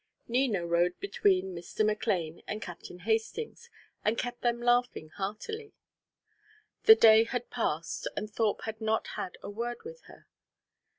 Nina rode between Mr. McLane and Captain Hastings, and kept them laughing heartily. The day had passed and Thorpe had not had a word with her.